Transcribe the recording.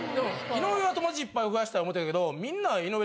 井上は友達いっぱい増やしたい思ってるけど。